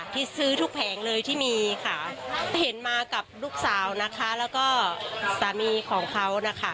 ที่ซื้อทุกแผงเลยที่มีค่ะเห็นมากับลูกสาวนะคะแล้วก็สามีของเขานะคะ